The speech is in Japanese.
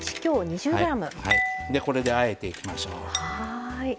これであえていきましょう。